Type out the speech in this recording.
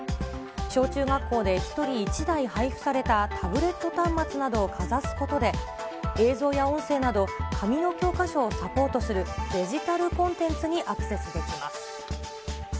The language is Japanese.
小中学校で１人１台配付されたタブレット端末などをかざすことで、映像や音声など、紙の教科書をサポートするデジタルコンテンツにアクセスできます。